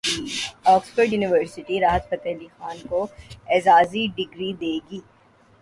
Oxford university Rahat Fateh Ali Khan کو اعزازی degree دے گی